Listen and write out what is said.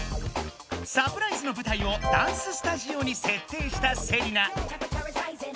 サプライズの舞台をダンススタジオにせっていしたセリナ。